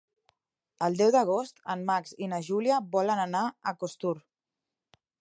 El deu d'agost en Max i na Júlia volen anar a Costur.